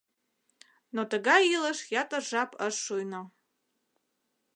Но тыгай илыш ятыр жап ыш шуйно.